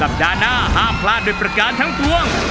สัปดาห์หน้าห้ามพลาดโดยประการทั้งตรวง